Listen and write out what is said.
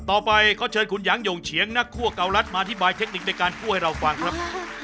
ต่อไปเขาเชิญคุณหยางหย่งเฉียงนักคั่วเการัฐมาอธิบายเทคนิคในการคั่วให้เราฟังครับ